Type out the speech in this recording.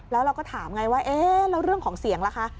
แล้วเราก็ถามไงว่าเอ๊ะแล้วเรื่องของเสียงล่ะคะ